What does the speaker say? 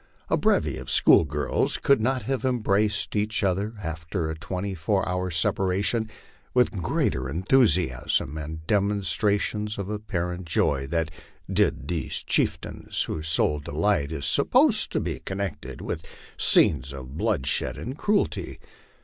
A bevy of school girls could not have embraced each other, after a twenty four hours' separation, with greater enthusiasm and demonstrations of apparent joy than did these chieftains, whose sole delight is supposed to be connected with scenes of bloodshed and cruelty.